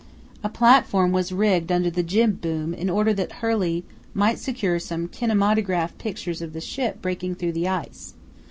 A platform was rigged under the jib boom in order that Hurley might secure some kinematograph pictures of the ship breaking through the ice.